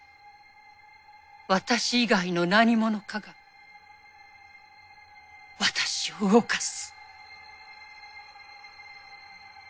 私以外の何者かが私を動かす。